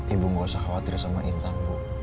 ibu gak usah khawatir sama intan bu